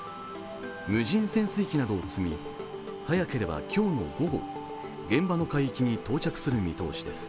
無人潜水機などを積み、早ければ今日の午後現場の海域に到着する見通しです。